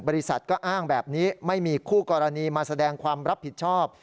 บริษัทก็อ้างแบบนี้ไม่มีคู่กรณีมาแสดงความรับผิดชอบ